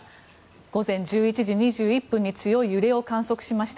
午前１１時２１分に強い揺れを観測しました。